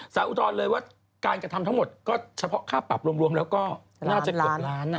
อุดรเลยว่าการกระทำทั้งหมดก็เฉพาะค่าปรับรวมแล้วก็น่าจะเกือบล้าน